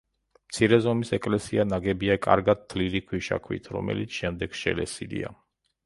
მცირე ზომის ეკლესია ნაგებია კარგად თლილი ქვიშაქვით, რომელიც შემდეგ შელესილია.